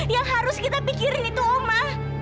yang harus kita pikirin itu oma